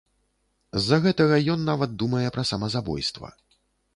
З-за гэтага ён нават думае пра самазабойства.